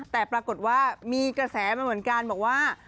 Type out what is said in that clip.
แต่ปรากฏว่ามีกระแสมาเหมือนกันบอกว่า